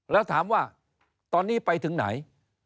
แล้วถามว่าตอนนี้ไปถึงไหน